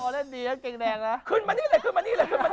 ขึ้นมานี่เลย